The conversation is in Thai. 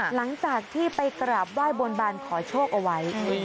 หลังจากที่ไปกราบไหว้บนบานขอโชคเอาไว้